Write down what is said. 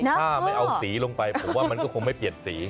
ถ้าไม่เอาสีลงไปผมว่ามันก็คงไม่เปลี่ยนสี